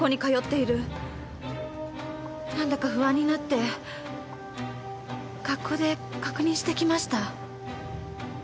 なんだか不安になって学校で確認してきました。